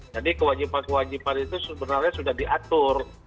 jadi kewajiban kewajiban itu sebenarnya sudah diatur